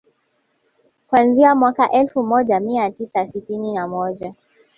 Kuanzia mwaka elfu moja mia tisa sitini na moja